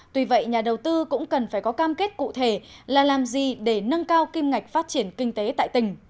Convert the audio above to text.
tuy vậy nhà đầu tư cũng cần phải có cam kết cụ thể là làm gì để nâng cao kim ngạch phát triển kinh tế tại tỉnh